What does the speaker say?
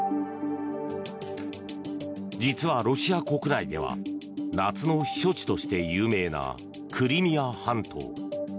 実はロシア国内では夏の避暑地として有名なクリミア半島。